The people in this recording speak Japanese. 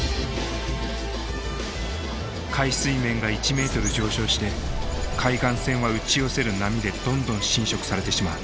海水面が１ｍ上昇して海岸線は打ち寄せる波でどんどん浸食されてしまう。